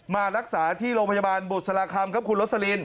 มารักษาที่โรงพยาบาลบุษราคำครับคุณโรสลิน